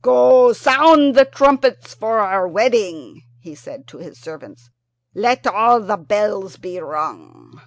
"Go, sound the trumpets for our wedding," he said to his servants; "let all the bells be rung."